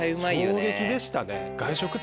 衝撃でしたね。